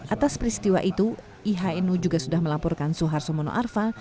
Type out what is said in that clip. atas peristiwa itu ihnu juga sudah melaporkan suharto mono arfa